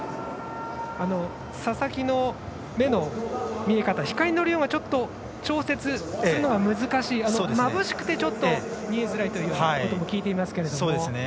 佐々木の目の見え方光の量がちょっと調節するのが難しい、まぶしくてちょっと見えづらいということも聞いていますけれども。